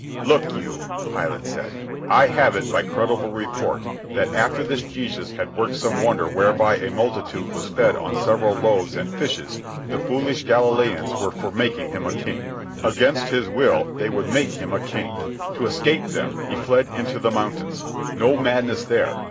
"Look you," Pilate said. "I have it by creditable report, that after this Jesus had worked some wonder whereby a multitude was fed on several loaves and fishes, the foolish Galileans were for making him a king. Against his will they would make him a king. To escape them he fled into the mountains. No madness there.